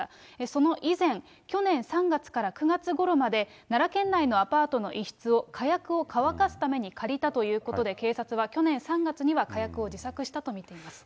その以前、去年３月から９月ごろまで、奈良県内のアパートの一室を火薬を乾かすために借りたということで、警察は去年３月には火薬を自作したと見ています。